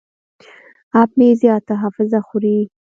اپ مې زیاته حافظه خوري.